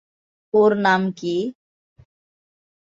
ওর নাম কী?